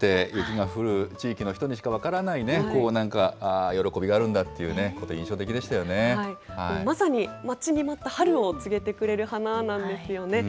冬をじっと耐えて、雪が降る地域の人にしか分からない、こう、なんか喜びがあるんだというのが印まさに待ちに待った春を告げてくれる花なんですよね。